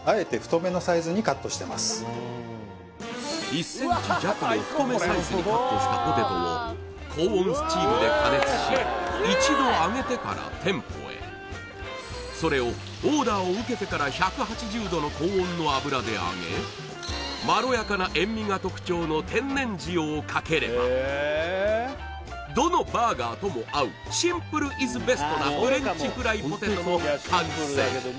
１ｃｍ弱の太めサイズにカットしたポテトを高温スチームで加熱し一度揚げてから店舗へそれをオーダーを受けてから１８０℃の高温の油で揚げまろやかな塩味が特徴の天然塩をかければどのバーガーとも合うシンプルイズベストなフレンチフライポテトの完成